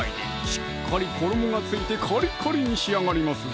しっかり衣が付いてカリカリに仕上がりますぞ